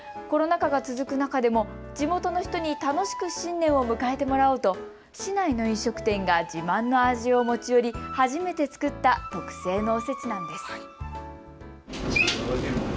コロナ禍が続く中でも地元の人に楽しく新年を迎えてもらおうと市内の飲食店が自慢の味を持ち寄り、初めて作った特製のおせちなんです。